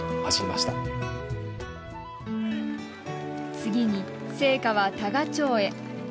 次に、聖火は多賀町へ。